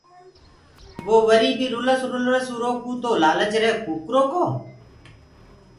وو وري بي رُلس رُلس اُرو ڪوُ تو لآلچ رهي ڪُڪرو ڪو۔